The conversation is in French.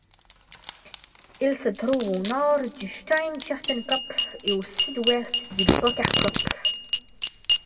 Il se trouve au nord du Steinschartenkopf et au sud-ouest du Bockkarkopf.